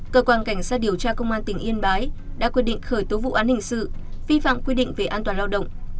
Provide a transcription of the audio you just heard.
cơ quan cảnh sát điều tra công an tỉnh yên bái đã quyết định khởi tố vụ án hình sự vi phạm quy định về an toàn lao động